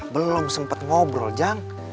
belum sempat ngobrol jang